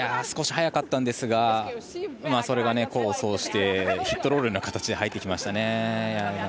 少し速かったんですがそれを功を奏してヒットロールの形で入ってきましたね。